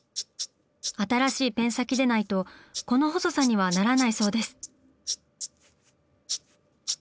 新しいペン先でないとこの細さにはならないそうです！